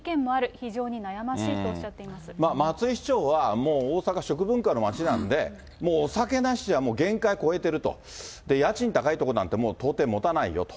非常に悩ましい松井市長は、もう大阪、食文化の街なんで、お酒なしじゃ限界を超えてると、家賃高いところなんて、もう到底もたないよと。